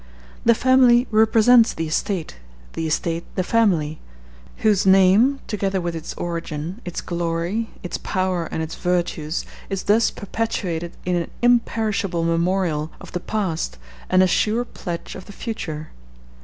The family represents the estate, the estate the family; whose name, together with its origin, its glory, its power, and its virtues, is thus perpetuated in an imperishable memorial of the past and a sure pledge of the future.